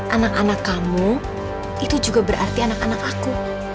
anak anak kamu itu juga berarti anak anak aku